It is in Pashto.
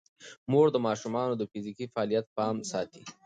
مور د ماشومانو د فزیکي فعالیت پام ساتي.